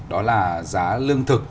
đó là giá lương thực